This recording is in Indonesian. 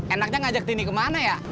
enaknya ngajak tini kemana ya